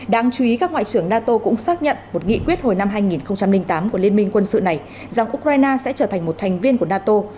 đáng chú ý các ngoại trưởng nato cũng xác nhận một nghị quyết hồi năm hai nghìn tám của liên minh quân sự này rằng ukraine sẽ trở thành một thành viên của nato